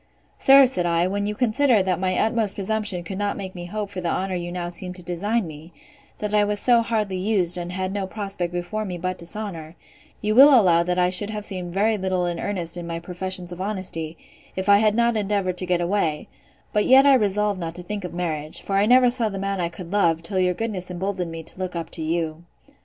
Sir, said I, when you consider, that my utmost presumption could not make me hope for the honour you now seem to design me; that I was so hardly used, and had no prospect before me but dishonour, you will allow that I should have seemed very little in earnest in my professions of honesty, if I had not endeavoured to get away: but yet I resolved not to think of marriage; for I never saw the man I could love, till your goodness emboldened me to look up to you.